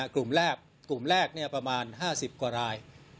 กลุ่มแรกประมาณ๕๐กว่าลาย